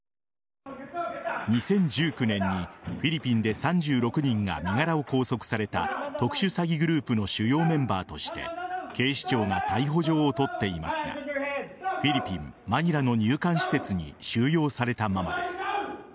２０１９年にフィリピンで３６人が身柄を拘束された特殊詐欺グループの主要メンバーとして警視庁が逮捕状を取っていますがフィリピン・マニラの入管施設に収容されたままです。